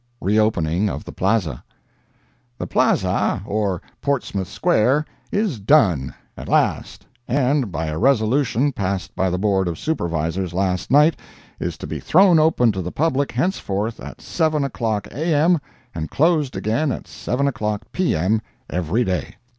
RE OPENING OF THE PLAZA. The Plaza, or Portsmouth Square, is "done," at last, and by a resolution passed by the Board of Supervisors last night, is to be thrown open to the public henceforth at 7 o'clock A. M. and closed again at 7 o'clock P. M. every day.